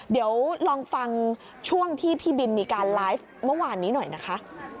เดี๋ยวลองฟังช่วงที่พี่บินมีการไลฟ์เมื่อวานนี้หน่อยนะคะ